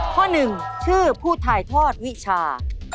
ข้อ๑ชื่อผู้ทายทอดวิชา